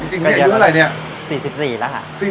จริงนี่อายุอะไรเนี่ย